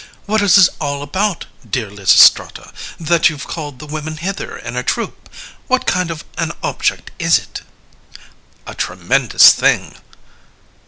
CALONICE What is it all about, dear Lysistrata, That you've called the women hither in a troop? What kind of an object is it? LYSISTRATA A tremendous thing!